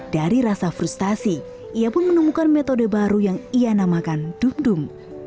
dari rasa frustasi ia pun menemukan metode baru yang ia namakan dum dum